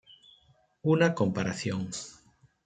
Una comparación".